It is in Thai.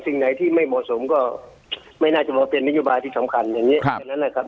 สิ่งไหนที่ไม่เหมาะสมก็ไม่น่าจะเป็นนิจบาลที่สำคัญ